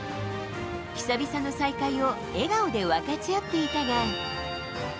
久々の再会を笑顔で分かち合っていたが。